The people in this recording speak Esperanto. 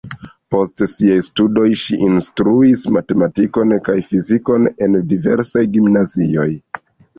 Post siaj studoj ŝi instruis matematikon kaj fizikon en diversaj gimnazioj.